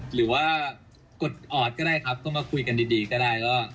หรือว่ากดออดก็ได้ครับต้องมาคุยกันดีก็ได้